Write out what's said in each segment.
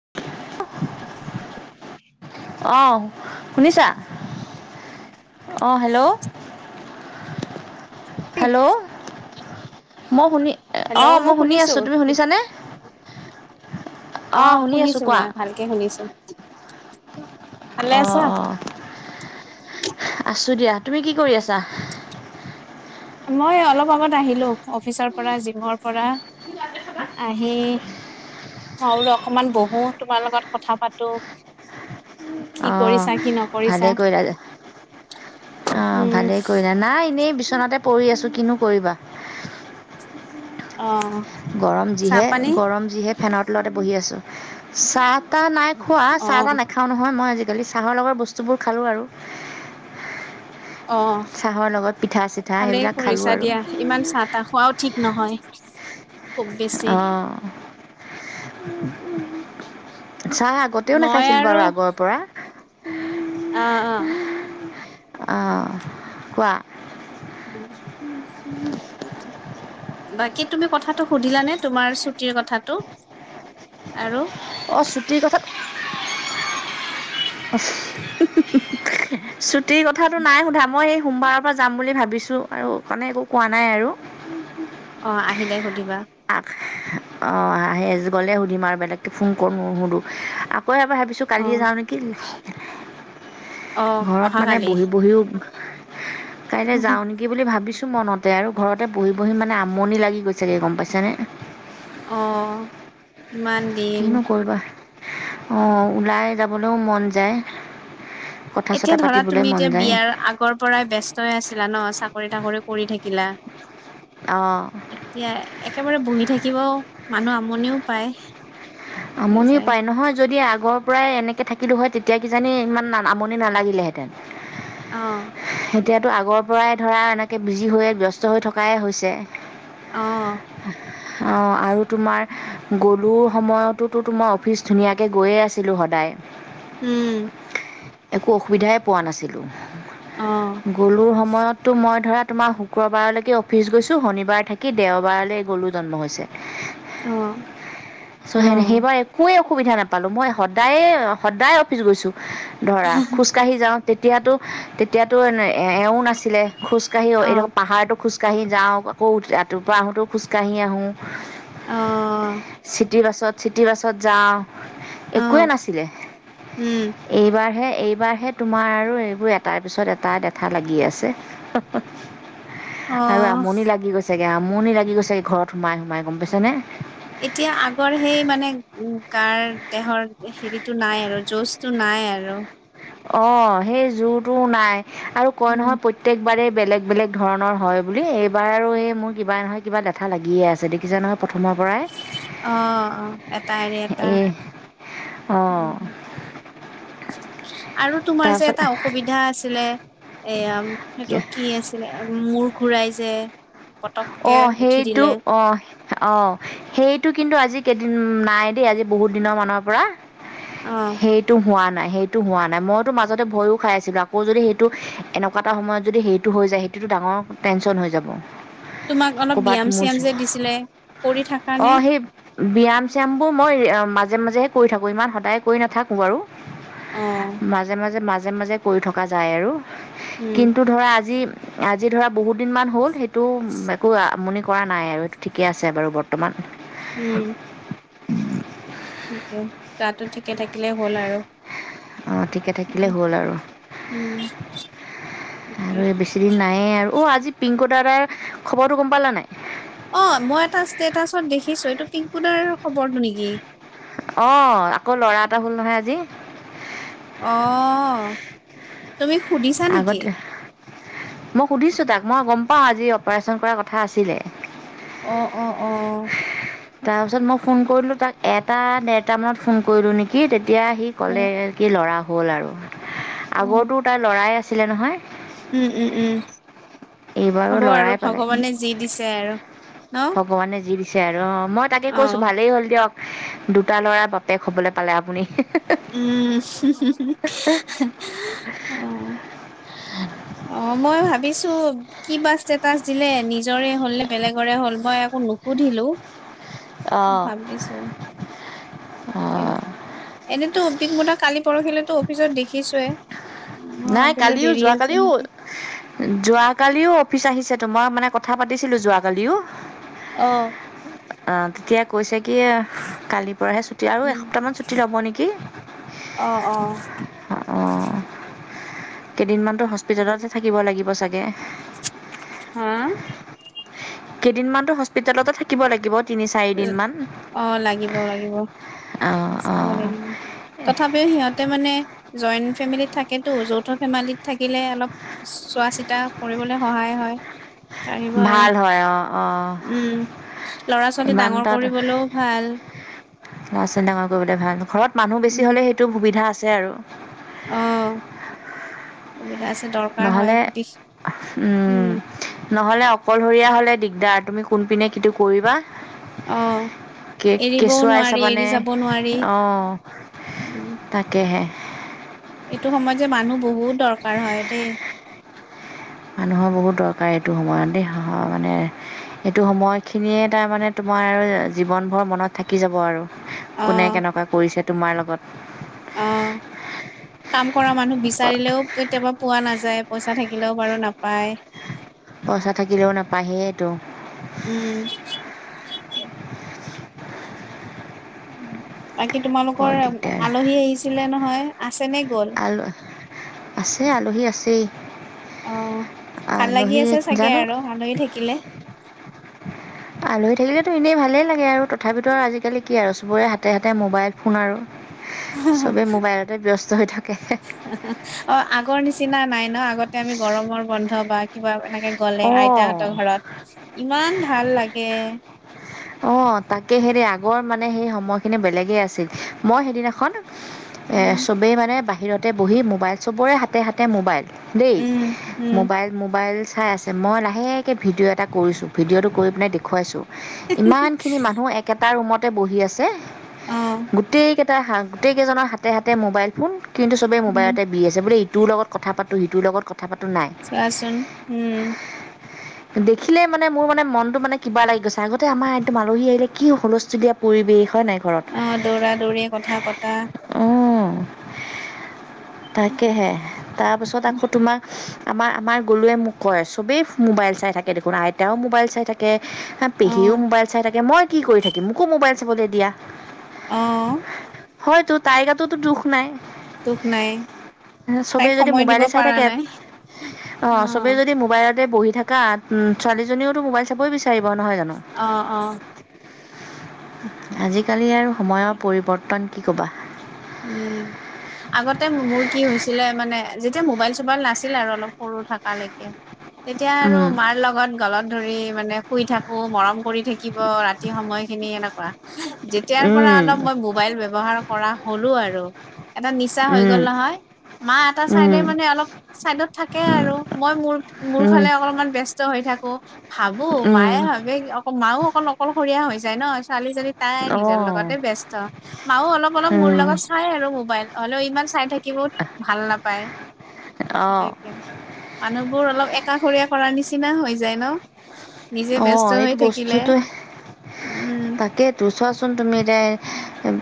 [inaudible] অহ শুনিছা? অ hello! Hello মই শুনি হেল্ল' অ মই শুনি শুনিছো আছো তুমি শুনিছানে অ শুনি আছো কোৱা কে শুনিছো ভালে অ আছা অ আছো দিয়া। তুমি কি কৰি আছা? মই অলপ আগত আহিলো অফিচৰ পৰা জিমৰ পৰা আহি মই বোলো অকমান বহো তোমাৰ লগত কথা পাতো কি অঁ কৰিছা কি নকৰিছা ভালেই কৰিলা অঁ উম ভালেই কৰিলা নাই এনেই বিচনাতে পৰি আছো কিনো কৰিবা অ গৰম চাহ যিহে পানী গৰম যিহে ফেনৰ তলতে বহি আছোঁ চাহ তাহ নাই খোৱা অ চাহ তাহ নে খাওঁ নহয় মই আজিকালি চাহৰ লগৰ বস্তুবোৰ খালোঁ আৰু অ চাহৰ লগত পিঠা চিঠা ভালেই সেইবিলাক খালোঁ কৰিছা আৰু দিয়া ইমান চাহ তাহ খোৱাও ঠিক নহয় খুব বেছি অঁ চাহ আগতেও মই নাখাইছিলোঁ বাৰু আগৰ পৰা অঁ অঁ অঁহ কোৱা [inaudible] বাকী তুমি কথাটো সুধিলা নে তোমাৰ ছুটিৰ কথাটো আৰু অ ছুটিৰ কথা চুটিৰ কথাটো নাই সোধা মই এই সোমবাৰৰ পৰা যাম বুলি ভাবিছোঁ, আৰু কাৰণে একো কোৱা নাই আৰু। অ', আহিলে সুধিবা। অ', সেজ গ'লে সুধিম আৰু বেলেগকৈ ফোন কৰ নুসুধোঁ আ কৌ এবাৰ ভাবিছো অ কালিয়ে যাওঁ নেকি, অ ঘৰত মানে অহাকালি বহি বহিও কাইলৈ যাওঁ নেকি বুলি ভাবিছোঁ মনতে আৰু ঘৰতে পহি বহি মানে আমনি লাগি গৈছেগৈ গ'ম পাইছেনে? অ', ইমান দিন কিনো কৰিবা অ', ওলাই যাবলৈও মন যায়। কথা এতিয়া চথা ধৰা পাতিবলৈ তুমি মন এতিয়া যায় বিয়াৰ আগৰ পৰাই ব্যস্তই আছিলা ন' চাকৰি-তাকৰি কৰি থাকিলা। অ'। এতিয়া একেবাৰে বহি থাকিব মানুহ আমনিও পায়। হৈ আমনিও যায় পায় নহয় যদি আগৰ পৰাই এনেকে থাকিলো হয়, তেতিয়া কিজানি ইমান আমনি নালাগিলেহেঁতেন। অ'। এতিয়াতো আগৰ পৰাই ধৰা এনেকে বিজি হৈয়ে ব্যস্ত হৈ থকাই হৈছে। অ'। অ', আৰু তোমাৰ গ'লো সময়তোটো মই অফিচ ধুনীয়াকৈ গৈয়ে আছিলোঁ সদায়। উম। একো অসুবিধাই পোৱা নাছিলো, অ গলোৰ সময়তো মই ধৰা তোমাৰ শুক্ৰবাৰলৈকে অফিচ গৈছো শনিবাৰ থাকি দেওবাৰলৈ গলো জন্ম হৈছে। অ'। চ' অ সেইবাৰ একোৱেই অসুবিধা নাপালো মই সদায়ে সদায় অফিচ গৈছো। ধৰা খোজকাঢ়ি যাওঁ তেতিয়াতো তেতিয়াতো এও নাছি লে খোজ কাঢ়ীও অ এইটো পাহাৰটোৰ খোজ খোজকাঢ়ি যাওঁ আকৌ ৰাতিপুৱা আহোতেও খোজকাঢ়ি আহোঁ। অ'। চিটি বাছত চিটি বাছত যাওঁ অ একোৱেই নাছিলে। উম এইবাৰহে এইবাৰহে তোমাৰ আৰু এইবোৰ এটাৰ পিছত এটা লেথা লাগি আছে। অ [inaudible] আৰু আমনি লাগি গৈছেগে আমনি লাগি গৈছেগে ঘৰত সোমাই সোমাই গ'ম পাইছ নে? এতিয়া আগৰ সেই মানে উ, গাৰ দেহৰ হেৰিটো নাই আৰু জোছটো নাই আৰু। অ', সেই জোৰটোও নাই আৰু কয় উম নহয় প্ৰ প্ৰত্যেকবাৰেই বেলেগ বেলেগ ধৰণৰ হয় বুলি, এইবাৰ আৰু এই মোৰ কিবা নহয় কিবা লেথা লাগিয়ে আছে দেখিছে নহয়। প্ৰথমৰ পৰাই অ', অ', এট এৰি এটা। এই অ'। উম আৰু তোমাৰ যে তাৰপিছত এটা অসুবিধা আছিলে, এয়া সেইটো কি আ আছিলে, মূৰ ঘূৰাই যে। পতককে অ', উঠি সেইটো দিলে অ', আহ, সেইটো কিন্তু আজি কেইদিন নাই দেই, আজি বহুত দিনৰ মানৰ পৰা, অ সেই টো হোৱা নাই সেইটো হোৱা নাই মইতো মাজতে ভয়ো খাই আছিলো আকৌ যদি সেইটো এনেকুৱা এটা সময়ত যদি সেইটো হৈ যায়। সেইটোতো ডাঙৰ টেনশ্যন হৈ যাব। তোমাক অলপ ক'ৰবাত মোৰ ব্যয়ায়াম-স্যায়াম যে দিছিলে, কৰি থাকা নে? ব্যায়াম-স্যায়ামবোৰ মই মাজে মাজেহে কৰি থাকোঁ, ইমান সদায় কৰি নাথাকোঁ বাৰু। অ মাজে মাজে মাজে মাজে কৰি থকা যায় আৰু। উম কিন্তু ধৰা আজি আজি ধৰা বহুত দিন মান হ'ল সেই টো একো আমনি কৰা নাই আৰু, এইটো ঠিকে আছে বাৰু বৰ্তমান। উম। তাকে গাতো ঠিকে থাকিলে হ'ল আৰু। অঁ ঠিকে থাকিলেই উম হ'ল আৰু। উম। তাকে আৰু বেছিদিন নাইয়ে আৰু, অ আজি পিংকু দাদাৰ খবৰটো গম পালা নাই? অ মই এটা ষ্টেটাচত দেখিছো, এইটো পিংক দাৰ খবৰটো নেকি? অঁ, আকৌ ল'ৰা এটা হল নহয় আজি। অ, তুমি সুধিছা নেকি? আগতে মই সুধিছোঁ তাক, মই গম পাওঁ আজি অপাৰেচন কৰাৰ কথা আছিলে। অ অ অ। তাৰপাছত মই ফোন কৰিলোঁ তাক, এটা ডেৰটামানত ফোন কৰিলোঁ নেকি তেতিয়া সি ক'লে। উম কি ল'ৰা হ'ল আৰু আগৰতো তাই ল'ৰাই আছিলে নহয়। উম, উম, উম এইবাৰো হ'ব আৰু ল'ৰাই পালে ভগৱানে যি দিছে আৰু ন। ভগৱানে যি দিছে আৰু অঁ, মই তাকে কৈছো অ', ভালেই হ'ল দিয়ক। দুটা ল'ৰা বাপেক হবলৈ পালে আপুনি। [inaudible] অঁ, মই ভাবিছো কিবা ষ্টেটাচ দিলে, নিজৰে হ'ল নে বেলেগৰে হল মই একো নুসুধিলো। অঁ ভাবিছো। তাকে, এনেতো পিংকু দা কালি পৰহিলৈ তো অফিচত দেখিছোয়ে। মই নাই ভাবিলো কালিও দেৰি আছে যোৱাকালিও নেকি যোৱাকালিও অফিচ আহিছে তোমাৰ মানে কথা পাতিছিলো যোৱাকালিও। অঁ। অঁ তেতিয়াই কৈছে কি কালিৰ পৰাহে ছুটি আৰু উম। এসপ্তাহ মান ছুটি ল'ব নেকি? অ অ। অঁ কেইদিনমানতো হস্পিতেলতে থাকিব লাগিব চাগে? হা? কেইদিনমানতো হস্পিতেলতে থাকিব লাগিব। তিনি চাৰিদিনমান অঁ, লাগিব লাগিব অঁ চাব অঁ লাগিব। তথাপিও সিহঁতে মানে জইণ্ট ফেমিলি থাকেতো, যৌথ ফেমিলিত থাকিলে অলপ চোৱা চিতা কৰিবলৈ সহায় হয়। পাৰিব আৰু, ভাল হয় অঁ অঁ উম লৰা ছোৱালী ইমান ডাঙৰ তাত কৰিবলৈও ভাল। ল'ৰা ছোৱালী ডাঙৰ কৰিবলে ভাল ঘৰত মানুহ বেছি হলে সেইটো সুবিধা আছে আৰু। অঁ, সুবিধা আছে দৰকাৰ হয়। নহ'লে উম নহলে অকলশৰীয়া হলে দিগদাৰ, তুমি কোনপিনে কিটো কৰিবা। অ কে এৰিবও কেঁচুৱাই নোৱাৰি এৰি চাবানে যাব নোৱাৰি অঁহ। উম তাকেহে। এইটো সময়ত যে মানুহ বহুত দৰকাৰ হয় দেই। মানুহৰ বহুত দৰকাৰ এইটো সময়ত দেই সাহসৰ মানে এইটো সময় খিনিয়ে তাৰ মানে তোমাৰ জীৱন ভৰ মনত থাকি যাব আৰু অ কোনে কেনেকুৱা কৰিছে তোমাৰ লগত। অ কাম কৰা মানুহ বিচাৰিলেও কেতিয়াবা পোৱা নাযায়। পইচা থাকিলেও বাৰু নাপায়। পইচা থাকিলেও নাপায় সেইটো। উম। বাকী বৰ তোমালোকৰ দিগদাৰ আলহী আহিছিলে নহয়? আছেনে গ'ল? [unintelligible] আছে, আলহী আছেই। অ', ভাল লাগি আলহী আছে চাগে জানো আৰু আলহী থাকিলে। আলহী থাকিলেতো এনেই ভালেই লাগে আৰু তথাপিতো আজিকালি কি আৰু চবৰে হাতে হাতে মোবাইল। ফোন আৰু চবেই মোবাইলতে ব্যস্ত হৈ থাকে। অ' আগৰ নিচিনা নাই ন'? আগতে আমি গৰমৰ বন্ধ বা কিবা এনেকে গ'লে অঁ আইতাহঁতৰ ঘৰত ইমান ভাল লাগে। অ', তাকেহে দেই আগৰ মানে সেই সময়খিনি বেলেগে আছিল মই সেইদিনাখন এ উম চবেই মানে বাহিৰতে বহি মোবাইল, চবৰে হাতে হাতে মোবাইল দেই উম উম মোবাইল মোবাইল চাই আছে। মই লাহেকে ভিডিঅ' এটা কৰিছোঁ ভিডিঅ'টো কৰি পেলাই দেখুৱাইছোঁ ইমানখিনি মানুহ একেটা ৰুমতে বহি আছে। অ গোটেইকেট গোটেইজনৰ হাতে হাতে মোবাইল ফোন কিন্তু চবেই উম মোবাইলতে আছে বোলে ইটোৰ লগত কথা পাতোঁ সিটোৰ লগত কথা পাতোঁ নাই। চোৱাচোন উম। দেখিলেই মানে মোৰ মানে মনটো মানে কিবা লাগি গৈছে আগত আগতে আমাৰ একদম আলহী আহিলে কি হুলস্থুলীয়া পৰিৱেশ হয় নাই? ঘৰত অ দৌৰা দৌৰি কথা পতা অ'। তাকেহে, তাৰপিছত আকৌ তোমা আমাৰ আমাৰ গলোৱে মোক কয়, চবেই মোবাইল চাই থাকে দেখোন আইতাওঁ মোবাইল চাই থাকে অ পেহীও মোবাইল চাই থাকে। মই কি কৰি থাকিম? মোকো মোবাইল চাবলে দিয়া। অ হয়তো তাইৰ গাতোতো দুখ নাই। নাই চবে তাইক যদি সময় দিব মোবাইলে চাই পাৰা থাকে, নাই অ' চবে যদি মোবাইলতে বহি থাকা উম, ছোৱালীজনীওতো মোবাইল চাবই বিচাৰিব নহয় জানো অ', অ' আজিকালি আৰু সময়ৰ পৰিৱৰ্তন কি ক'বা। উম আগতে মোৰ কি হৈছিলে মানে যেতিয়া মোবাইল চোবাইল নাছিলে আৰু অলপ সৰু থাকালৈকে তেতিয়া আৰু অঁ মাৰ লগত গলত ধৰি মানে শুই থাকো মৰম কৰি থাকিব ৰাতি সময়খিনি এনেকুৱা যেতিয়াৰ পৰা অলপ মই মোবাইল ব্যৱহাৰ কৰা হ'লো আৰু এটা নিচা হৈ গ'ল নহয়। [unintelligible] এটা চাইডে মানে অলপ চাইডত থাকে আৰু মই মোৰ-মোৰ ফালে অলপমান ব্যস্ [unintelligible] হৈ থাকো। ভাবো মায়ে ভাবে অক মাও অকল অকলশৰীয়া হৈ যায় ন', ছোৱালীজনী তাই নিজৰ লগতে ব্যস্ত মাও অলপ অলপ মোৰ লগত চাই আৰু মোবাইল হ'লেও ইমান চাই থাকিব ভাল নাপায়। অ' সেনেকে মানুহবোৰ অলপ একাষৰীয়া কৰাৰ নিচিনা হৈ যায় ন'? নিজে অ', ব্যস্ত এইটো হৈ থাকিলে বস্তুটোৱে উম। তাকেইতো চোৱাচোন তুমি এতিয়া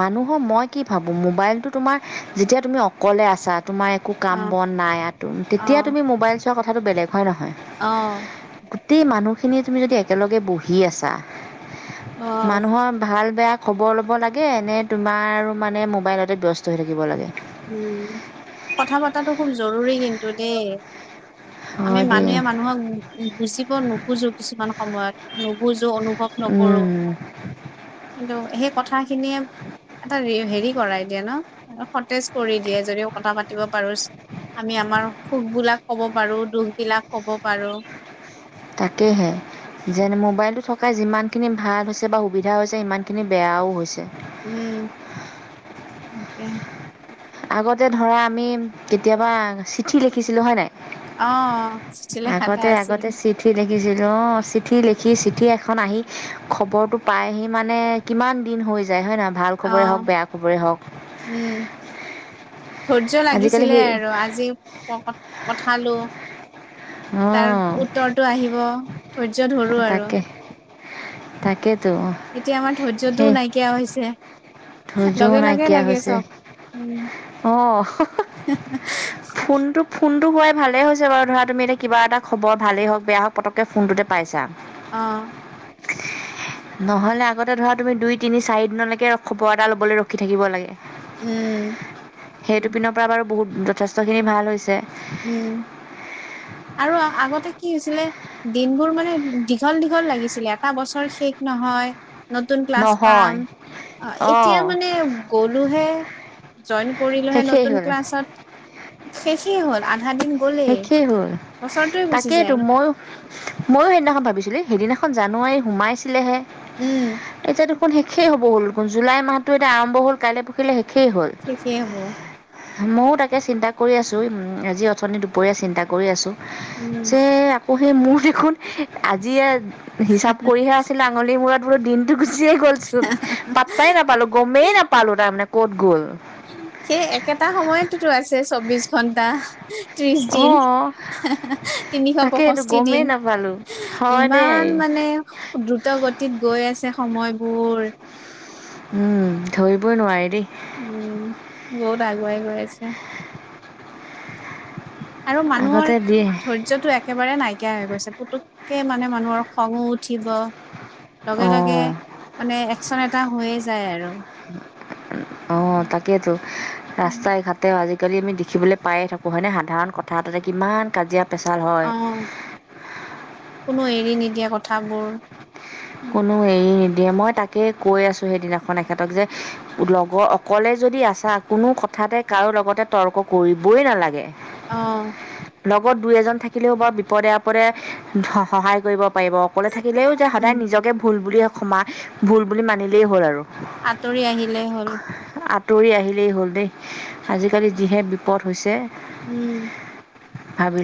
মানুহৰ মই কি ভাবোঁ মোবাইলটো তোমাৰ যেতিয়া তুমি অক অকলে আছা, তোমাৰ একো কাম অ বন নাই আ। অ তেতিয়া তুমি মোবাইল চোৱা কথাটো বেলেগ হয় নহয়? অ। গোটেই মানুহখিনি তুমি যদি একেলগে বহি আছা, অ মানুহৰ ভাল বেয়া খবৰ ল'ব লাগে নে তোমাৰ আৰু মানে মোবাইলতে ব্যস্ত হৈ থাকিব লাগে? উম, কথা পতাটো খুব জৰুৰী কিন্তু দে। আমি হয় দেই মানুহে মানুহক বুজিব নোখোজোঁ কিছুমান সময়ত, নুবুজো অনুভৱ নকৰোঁ। উম, কিন্তু সেই কথা খিনিয়ে এটা হেৰি কৰাই দিয়ে ন, সতেজ কৰি দিয়ে যদিও কথা পাতিব পাৰো চ, আমি আমাৰ সুখ বোলাক ক'ব পাৰো, দুখ বিলাক ক'ব পাৰো তাকেহে। যেন মোবাইলটো থকাই যিমানখিনি ভাল হৈছে বা সুবিধা হৈছে সিমানখিনি বেয়াও হৈছে। উম, তাকে। আগতে ধৰা আমি কেতিয়াবা চিঠি লিখিছিলো হয় নাই? অ'। চিঠি লেখা এটা আগতে- আছিল আগতে চিঠি লিখিছিলোঁ। অ, চিঠি লিখি, চিঠি এখন আহি খবৰটো পাইহি মানে কিমান দিন হৈ যায় হয় নাই? ভাল খবৰে অ হওঁক বেয়া খবৰে হওঁক উম, ধৈৰ্য্য আজিকালি লাগিছিলে সেই আৰু আজি [unintelligible] পঠালো। তাৰ অঁ উত্তৰটো আহিব, ধৈৰ্য্য ধৰো আৰু তাকে এতিয়া আমাৰ ধৈৰ্য্যটোও সেই নাইকিয়া হৈছে। ধৈৰ্যও লগে লগে নাইকিয়া লাগে হৈছে চব উম, অঁ হে হা ফোনটো ফোনটো হোৱাই ভালেই হৈছে বাৰু ধৰা তুমি এতিয়া কিবা এটা খবৰ ভালেই হওঁক, বেয়া হওঁক পতককে ফোনটোতে পাইছা অ। নহলে আগতে ধৰা তুমি দুই, তিনি, চাৰি দিনলৈকে খবৰ এটা ল'বলৈ ৰখি থাকিব লাগে। উম, সেইতোপিনৰ পৰা বাৰু বহুত যথেষ্টখিনি ভাল হৈছে। উম, আৰু আগতে কি হৈছিলে? দিনবোৰ মানে দীঘল- দীঘল লাগিছিলে এটা বছৰ শেষ নহয় নতুন ক্লাছ নহয় পাম, অঁ এতিয়া মানে গলোহে জইন কৰিলোহে শেষেই নতুন হ'ল ক্লাছত, শেষেই হ'ল আধা দিন গ'লেই শেষেই হ'ল। বছৰটোৱে গুচি তাকেইতো যায় মই ময়ো সেইদিনাখন ভাবিছিলো, সেইদিনাখন জানুৱাৰী সোমাইছিলেহে, উম, এতিয়াতো শেষেই হ'ব হ'ল। জুলাই মাহটো এয়া আৰম্ভ হ'ল, কাইলে পৰখিলে শেষেই হ'ল। শেষে হব ময়ো তাকে চিন্তা কৰি আছোঁ। উম আজি অথনি দুপৰীয়া চিন্তা কৰি আছোঁ। উম, যে আকৌ সেই মোৰ দেখোন আজিয়ে হিচাপ কৰিহে আছে আঙলিৰ মূৰত বোলো দিনতো গুচিয়ে গ'লছোন পাট্টাই নাপালো, গমেই নাপালো তাৰ মানে ক'ত গ'ল? সেই একেটা সময়েতেটো আছে চৌবিশ ঘন্টা, ত্ৰিশ দিন অ', হেহে তিনিশ তাকে এইটো পষষ্ঠি দিন। গমেই নাপালো হয় দেই। ইমান মানে দ্ৰুত গতিত গৈ আছে সময়বোৰ উম, ধৰিবই নোৱাৰি দেই। উম, বহুত আগুৱাই গৈ আছে। আৰু মানুহৰ আগতে দিয়ে ধৈৰ্য্যটো এক একেবাৰে নাইকিয়া হৈ গৈছে পুতুকে মানে মানুহৰো খঙো উঠিব লগে লগে অ'। মানে একচন এটা হৈয়ে যায় আৰু। [inaudible] অ তাকেইতো ৰাস্তাই ঘাটে আজিকালি আমি দেখিবলৈ পায়ে থাকো হয় নে সাধাৰণ কথ থা এটাতে কিমান কাজিয়া। পেচাল হয়। অ কোনো এৰি নিদিয়ে কথাবোৰ। কোনো এৰি নিদিয়ে মই তাকেই কৈ আছো সেইদিনাখন এখেতক যে লগৰ অকলে যদি আছা কোনো কথাতে কাৰো লগতে তৰ্ক কৰিবই নালাগে। অ। লগত দুই এজন থাকিলেও বাৰু বিপদে আপদে সহায় কৰিব পাৰিব। অকলে থাকিলেও যে সদায় উম, নিজকে ভুল বুলি ক্ষমা ভুল বুলি মানিলেই হ'ল আৰু। আঁতৰি আহিলেই হ'ল। আঁতৰি আহিলেই হ'ল দেই, আজিকালি যিহে বিপদ হৈছে। উম। ভাবিল